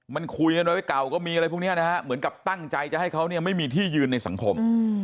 มันคุยกันไว้เก่าก็มีอะไรพวกนี้นะฮะเหมือนกับตั้งใจจะให้เขาเนี่ยไม่มีที่ยืนในสังคม